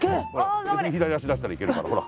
左足出したらいけるからほら。